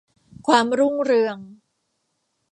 ความรุ่งเรือง